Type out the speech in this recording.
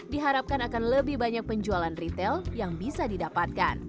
diharapkan akan lebih banyak penjualan retail yang bisa didapatkan